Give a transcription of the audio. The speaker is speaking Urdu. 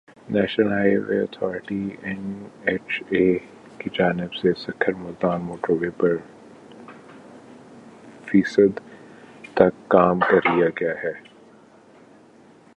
national highway authority N H A کی جانب سے سکھر ملتان موٹر وے پر فیصد تک کام کر لیا گیا ہے